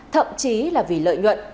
thậm chí là vì lợi nhuận